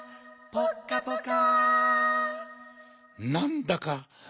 ぽっかぽか。